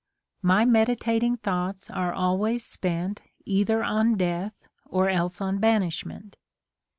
My meditating thoughts are always spent Either on death or else on banishment.